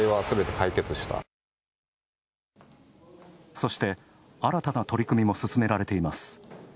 そして、新たな取り組みも進められています。